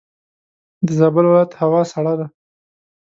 دزابل ولایت هوا سړه ده.